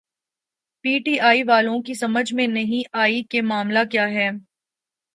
P T I والوں کی سمجھ میں نہ آئی کہ معاملہ کیا ہے۔